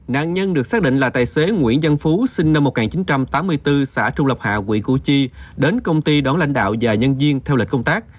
nạn nhân được xác định là tài xế nguyễn văn phú sinh năm một nghìn chín trăm tám mươi bốn xã trung lập hạ quỹ củ chi đến công ty đón lãnh đạo và nhân viên theo lịch công tác